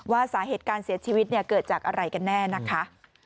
สาเหตุการเสียชีวิตเกิดจากอะไรกันแน่นะคะ